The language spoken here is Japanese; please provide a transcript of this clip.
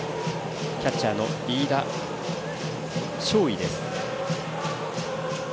キャッチャーの飯田将生です。